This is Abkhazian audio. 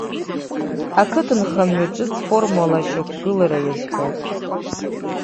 Ақыҭанхамҩа ҿыц формала ашьақәгылара иазҳәоуп.